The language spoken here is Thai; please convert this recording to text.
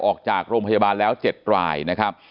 ออกจากโรงพยาบาลแล้ว๗รายนะครับ